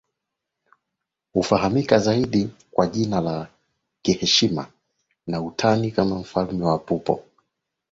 Hufahamika zaidi kwa jina la kiheshima na utani kama Mfalme wa Popu